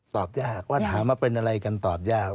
ตอบยากว่าถามว่าเป็นอะไรกันตอบยาก